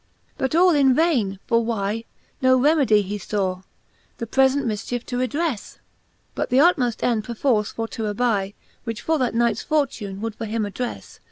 XLIV. But all in vaine; for why, no remedy He law, the prefent mifchiefe to redrefle^ But th'utmoft end perforce for to aby, Which that nights fortune would for him addrefle.